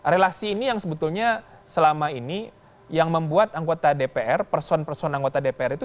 relasi ini yang sebetulnya selama ini yang membuat anggota dpr person person anggota dpr itu